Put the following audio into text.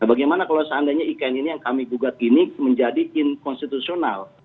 nah bagaimana kalau seandainya ikn ini yang kami bugat ini menjadi inconstitutional